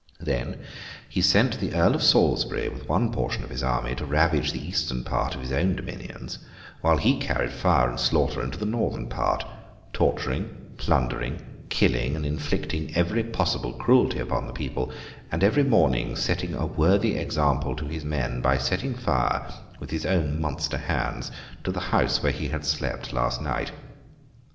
Then, he sent the Earl of Salisbury, with one portion of his army, to ravage the eastern part of his own dominions, while he carried fire and slaughter into the northern part; torturing, plundering, killing, and inflicting every possible cruelty upon the people; and, every morning, setting a worthy example to his men by setting fire, with his own monster hands, to the house where he had slept last night.